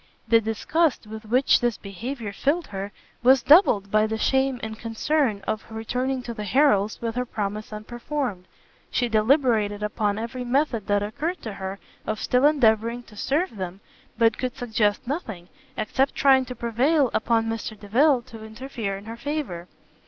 The disgust with which this behaviour filled her, was doubled by the shame and concern of returning to the Harrels with her promise unperformed; she deliberated upon every method that occurred to her of still endeavouring to serve them, but could suggest nothing, except trying to prevail upon Mr Delvile to interfere in her favour.